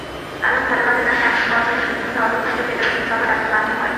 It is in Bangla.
কালও খেলোয়াড়েরা ক্যাম্প বর্জনের সিদ্ধান্তে অটল থাকলে ফেডারেশন সভা ডাকতে বাধ্য হয়।